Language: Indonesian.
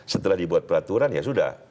setelah dibuat peraturan ya sudah